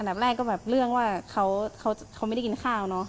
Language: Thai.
แต่แม่ก็แบบเรื่องว่าเขาไม่ได้กินข้าวเนอะ